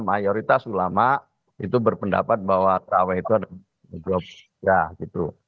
mayoritas ulama itu berpendapat bahwa terawih itu ada berjualan kerja